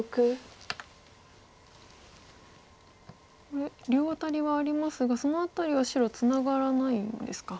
これ両アタリはありますがその辺りは白ツナがらないんですか。